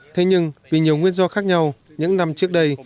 thế nhưng vì nhiều nguyên do khác nhau những năm trước đây